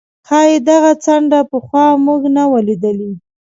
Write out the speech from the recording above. ښايي دغه څنډه پخوا موږ نه وه لیدلې.